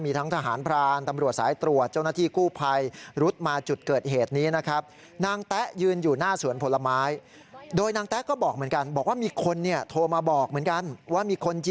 มีทั้งทหารพรานตำรวจสายตรวจ